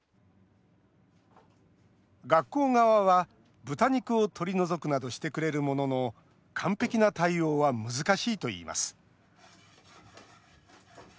学校側は豚肉を取り除くなどしてくれるものの完璧な対応は難しいといいます。